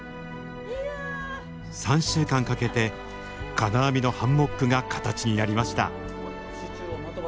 ３週間かけて金網のハンモックが形になりました。